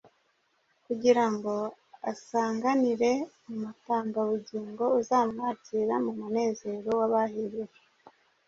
kugira ngo asanganire Umutangabugingo uzamwakira mu munezero w’abahiriwe.